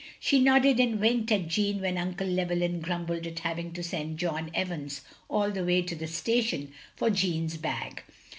'* She nodded and winked at Jeanne when Uncle Llewellyn grumbled at having to send John Evans all the way to the station for Jeanne's bag.